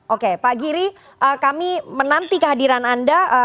oke pak giri kami menanti kehadiran anda